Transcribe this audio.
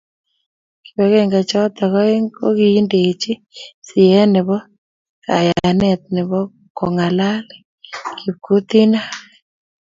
kibagenge chotok aeng kokiindeji siyet nebo kayanchinet nebo kongalal kipkutinak